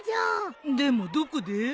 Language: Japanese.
でもどこで？